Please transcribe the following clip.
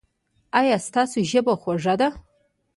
ایا ستاسو ژبه خوږه ده؟